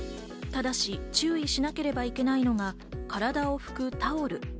ただし、注意しなければいけないのが体を拭くタオル。